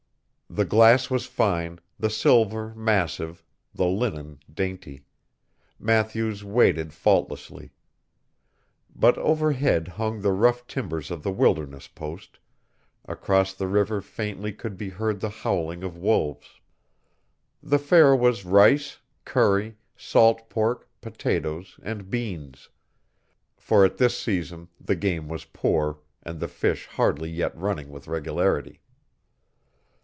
The glass was fine, the silver massive, the linen dainty, Matthews waited faultlessly: but overhead hung the rough timbers of the wilderness post, across the river faintly could be heard the howling of wolves. The fare was rice, curry, salt pork, potatoes, and beans; for at this season the game was poor, and the fish hardly yet running with regularity.